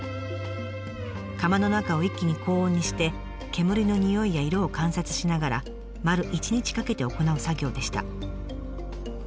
窯の中を一気に高温にして煙の匂いや色を観察しながら丸一日かけて行う作業でした。